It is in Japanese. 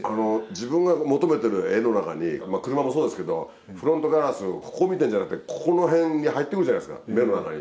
自分が求めてる画の中に車もそうですけどフロントガラスここ見てるんじゃなくてここの辺に入ってくるじゃないですか目の中に。